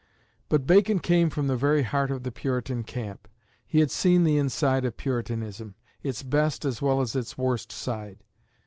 But Bacon came from the very heart of the Puritan camp. He had seen the inside of Puritanism its best as well as its worst side.